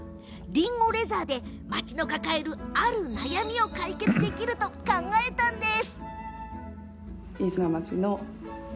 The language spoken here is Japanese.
りんごレザーで、町の抱えるある悩みを解決できると考えたんです。